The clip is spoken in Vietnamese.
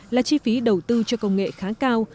là chi phí đầu tư cho công nghệ khá cao